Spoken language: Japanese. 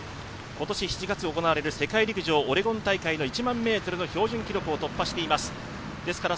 今年７月に行われる世界陸上オレゴン大会の１００００ｍの標準記録を突破しています。